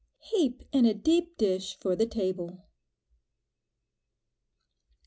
Heap in a deep dish for the table.